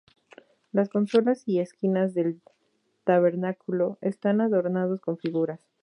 Las consolas y esquinas del tabernáculo están adornados con figuras.